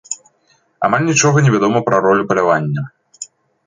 Амаль нічога не вядома пра ролю палявання.